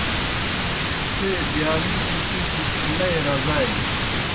څھے بِیالُکِیْ ٹکیْ لئی رزالِس۔